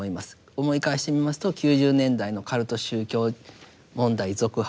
思い返してみますと９０年代のカルト宗教問題続発